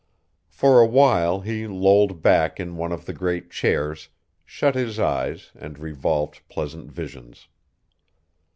For a while he lolled back in one of the great chairs, shut his eyes and revolved pleasant visions.